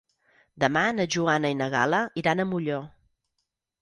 Demà na Joana i na Gal·la iran a Molló.